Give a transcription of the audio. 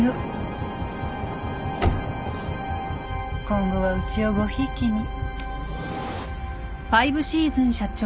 今後はうちをごひいきに。